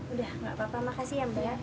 udah gak apa apa makasih ya mbak ya